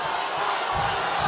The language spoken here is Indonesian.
tidak saya minta keberadaan